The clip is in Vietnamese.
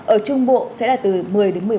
ở trung bộ sẽ là từ một mươi đến một mươi bảy giờ